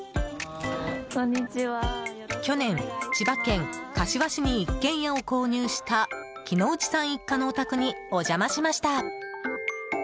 去年、千葉県柏市に一軒家を購入した木ノ内さん一家のお宅にお邪魔しました。